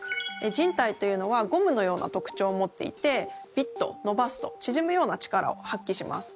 靱帯というのはゴムのような特徴を持っていてビッとのばすとちぢむような力を発揮します。